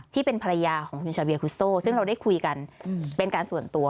ที่เป็นภรรยาของคุณชาเบียคุสโต้ซึ่งเราได้คุยกันเป็นการส่วนตัว